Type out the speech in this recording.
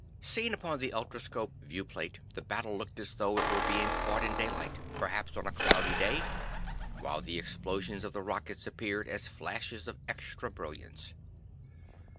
Seen upon the ultroscope viewplate, the battle looked as though it were being fought in daylight, perhaps on a cloudy day, while the explosions of the rockets appeared as flashes of extra brilliance.